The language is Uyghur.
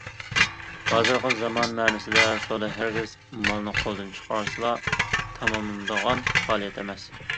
ھازىرقى زامان مەنىسىدە سودا ھەرگىز مالنى قولدىن چىقارسىلا تاماملىنىدىغان پائالىيەت ئەمەس.